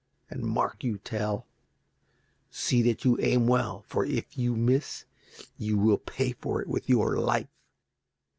And, mark you, Tell, see that you aim well, for if you miss you will pay for it with your life."